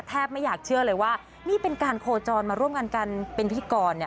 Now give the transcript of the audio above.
ไม่อยากเชื่อเลยว่านี่เป็นการโคจรมาร่วมกันกันเป็นพิธีกรเนี่ย